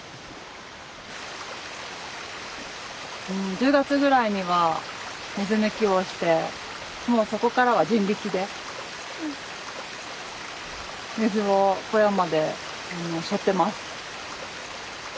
１０月ぐらいには水抜きをしてもうそこからは人力で水を小屋までしょってます。